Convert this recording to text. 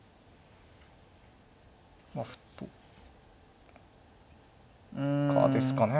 まあ歩とかですかね。